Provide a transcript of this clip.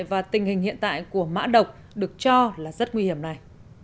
và tình hình hiện tại của mã độc được cho là rất nguy hiểm này